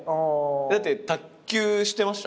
だって卓球してました？